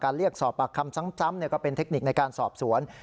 เรียกสอบปากคำซ้ำก็เป็นเทคนิคในการสอบสวน